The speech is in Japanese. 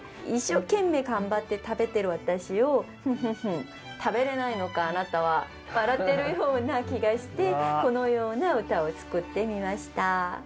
一生懸命頑張って食べてる私を「フフフ食べれないのかあなたは」笑ってるような気がしてこのような歌を作ってみました。